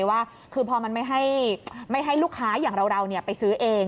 ว่าคือพอมันไม่ให้ลูกค้าอย่างเราไปซื้อเอง